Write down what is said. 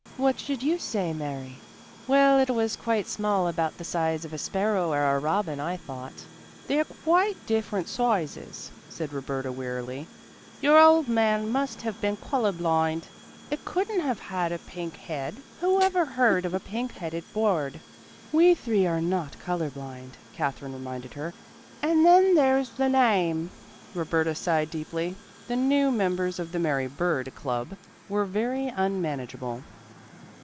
"What should you say, Mary?" "Well, it was quite small about the size of a sparrow or a robin, I thought." "They're quite different sizes," said Roberta wearily. "Your old man must have been color blind. It couldn't have had a pink head. Who ever heard of a pink headed bird?" "We three are not color blind," Katherine reminded her. "And then there's the name." Roberta sighed deeply. The new members of the Mary bird club were very unmanageable.